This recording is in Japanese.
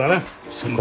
そっか。